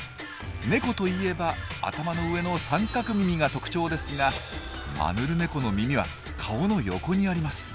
ネコといえば頭の上の三角耳が特徴ですがマヌルネコの耳は顔の横にあります。